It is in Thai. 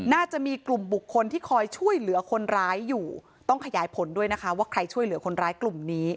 น่าจะมีกลุ่มบุคคลที่คอยช่วยเหลือคนร้ายอยู่